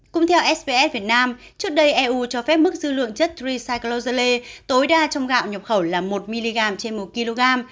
cũng theo sps việt nam trước đây eu cho phép mức dư lượng chất ree clozallet tối đa trong gạo nhập khẩu là một mg trên một kg